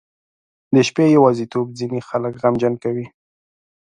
• د شپې یوازیتوب ځینې خلک غمجن کوي.